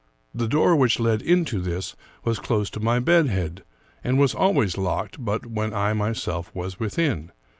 The door which led into this was close to my bed head, and was always locked but when I myself was within.